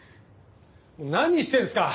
何してるんですか！？